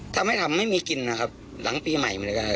ถ้าไม่ทำไม่มีกินนะครับหลังปีใหม่มาเลยก็ได้